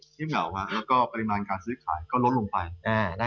เหงาแล้วก็ปริมาณการซื้อขายก็ลดลงไป